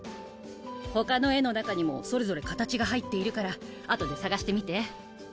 ほかの絵の中にもそれぞれ形が入っているからあとで探してみて。